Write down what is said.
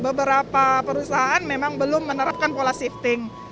beberapa perusahaan memang belum menerapkan pola shifting